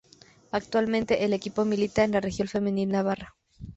Actualmente el equipo milita en la Regional Femenina Navarra.